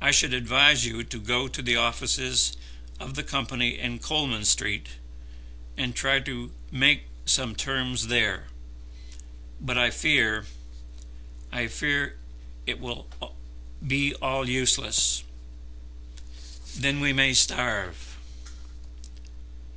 I should advise you to go to the offices of the Company in Coleman Street and try to make some terms there. But I fear, I fear it will be all useless." "Then we may starve."